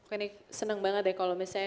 ini senang banget deh kalau misalnya